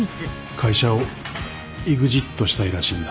会社をイグジットしたいらしいんだ。